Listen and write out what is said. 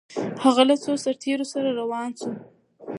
هغه له څو سرتیرو سره روان سو؟